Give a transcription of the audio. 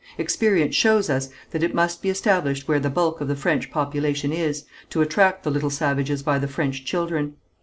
Experience shows us that it must be established where the bulk of the French population is, to attract the little savages by the French children.